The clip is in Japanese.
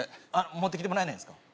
持ってきてもらえないんですか？